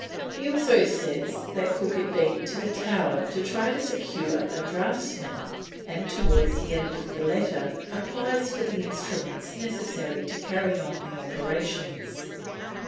He also says that Cook had been to the Tower to try to secure a draughtsman, and towards the end of the letter applies for the instruments necessary to carry on the operations.